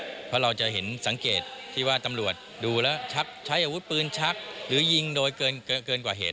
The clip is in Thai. เพราะเราจะเห็นสังเกตที่ว่าตำรวจดูแล้วชักใช้อาวุธปืนชักหรือยิงโดยเกินกว่าเหตุ